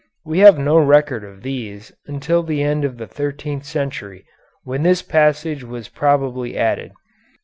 We have no record of these until the end of the thirteenth century, when this passage was probably added.